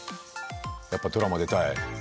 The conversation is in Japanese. やっぱドラマ出たい？